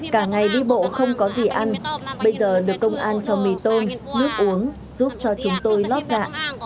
cả ngày đi bộ không có gì ăn bây giờ được công an cho mì tôm nước uống giúp cho chúng tôi lót dạ